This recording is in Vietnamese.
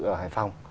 ở hải phòng